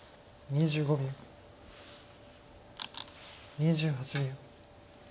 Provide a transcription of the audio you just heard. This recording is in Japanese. ２８秒。